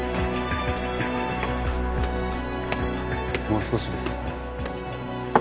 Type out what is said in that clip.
もう少しです。